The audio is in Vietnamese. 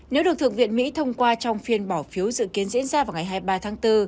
nếu được thượng viện mỹ thông qua trong phiên bỏ phiếu dự kiến diễn ra vào ngày hai mươi ba tháng bốn